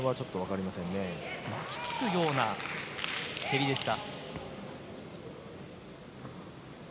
巻きつくような蹴りでした。